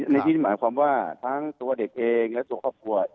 ในที่นี่หมายความว่าทั้งตัวเด็กเองและตัวครอบครัว